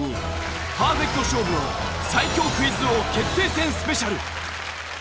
パーフェクト勝負の最強クイズ王決定戦スペシャル。